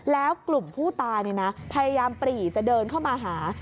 แล้วกลุ่มผู้ตายพยายามปรีจะเดินเข้ามาหา